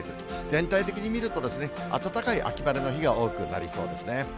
全体的に見ると、暖かい秋晴れの日が多くなりそうですね。